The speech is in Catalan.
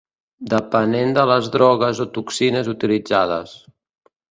Depenen de les drogues o toxines utilitzades.